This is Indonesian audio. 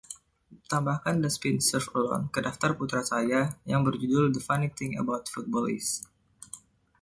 tambahkan The Spine Surfs Alone ke daftar putra saya yang berjudul The Funny Thing About Football Is